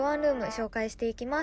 「紹介していきます